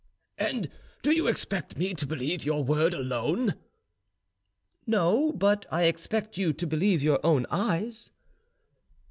"And do you expect me to believe your word alone?" "No; but I expect you to believe your own eyes."